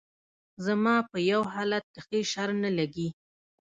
زما په يو حالت کښې شر نه لګي